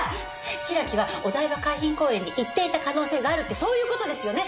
白木はお台場海浜公園に行っていた可能性があるってそういう事ですよね？